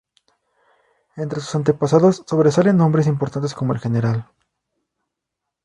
Entre sus antepasados sobresalen hombres importantes como el Gral.